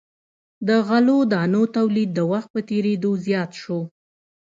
د غلو دانو تولید د وخت په تیریدو زیات شو.